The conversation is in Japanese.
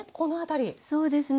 そうですね